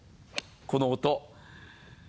この音。